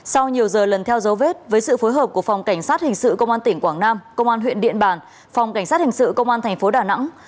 sau nhiều giờ lần theo dấu vết với sự phối hợp của phòng cảnh sát hình sự công an tỉnh quảng nam công an huyện điện bàn phòng cảnh sát hình sự công an thành phố đà nẵng